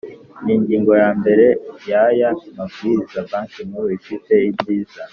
n ingingo ya mbere y aya Mabwiriza Banki Nkuru ifite ibyiza